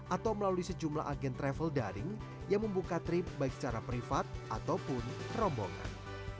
atau melalui sejumlah agen travel daring yang membuka trip baik secara privat ataupun rombongan